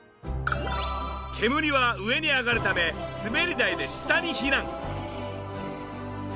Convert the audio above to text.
煙は上に上がるため滑り台で下に避難。